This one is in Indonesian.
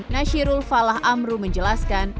nasirul falah amru menjelaskan